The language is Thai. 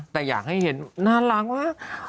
แต่อยากให้เห็นน่ารักว่า